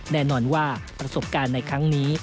แน่นอนว่าประสบการณ์ในครั้งนี้